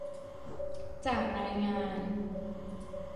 จากรายงาน